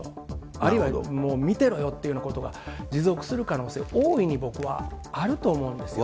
あるいは、もう見てろよというようなことが持続する可能性、大いに、僕はあると思うんですよね。